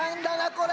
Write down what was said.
これ。